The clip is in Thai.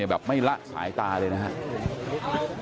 แบบไม่ละสายตาเลยนะครับ